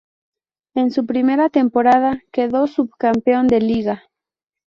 En su primera temporada quedó subcampeón de Liga.